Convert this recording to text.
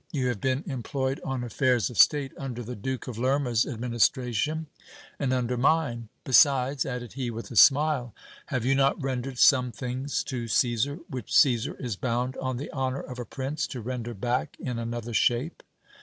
You have been em ployed on affairs of state under the Duke of Lerma's administration and under mine : besides, added he with a smile, have you not rendered some things to Caesar, which Caesar is bound, on the honour of a prince, to render back in another shape